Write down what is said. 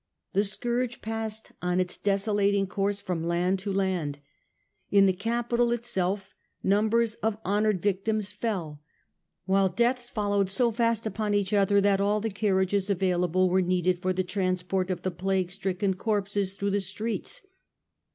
The scourge passed on its desolating course from land to land. In the capital itself numbers of honoured victims fell, while deaths followed so fast upon each other that all the carriages available were needed for the transport of the plague stricken corpses through the streets.